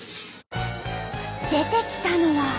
出てきたのは。